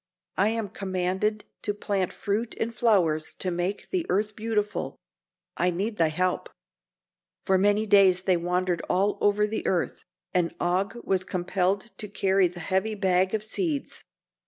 I am commanded to plant fruit and flowers to make the earth beautiful. I need thy help." For many days they wandered all over the earth, and Og was compelled to carry the heavy bag of seeds.